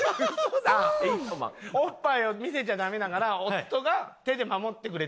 おっぱいを見せちゃダメだから夫が手で守ってくれてる？